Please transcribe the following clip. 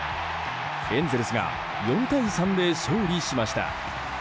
エンゼルスが４対３で勝利しました。